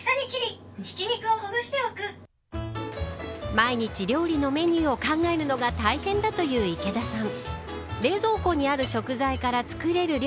毎日料理のメニューを考えるのが大変だという池田さん。